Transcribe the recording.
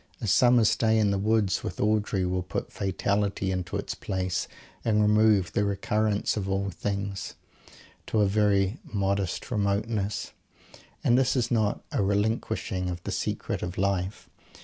A summer's day in the woods with Audrey will put "Fatality" into its place and remove "the Recurrence of all things" to a very modest remoteness. And this is not a relinquishing of the secret of life.